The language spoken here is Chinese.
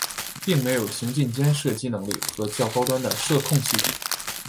并没有行进间射击能力和较高端的射控系统。